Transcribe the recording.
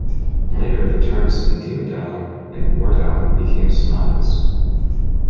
Later the terms "demon dialing" and "war dialing" became synonymous.